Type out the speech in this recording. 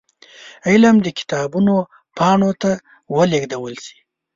علم د کتابونو پاڼو ته ولېږدول شي.